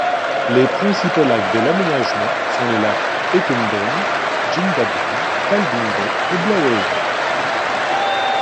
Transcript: Les principaux lacs de l'aménagement sont les lacs Eucumbene, Jindabyne, Talbingo et Blowering.